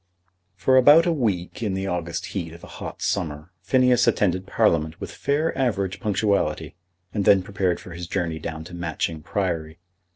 For about a week in the August heat of a hot summer, Phineas attended Parliament with fair average punctuality, and then prepared for his journey down to Matching Priory.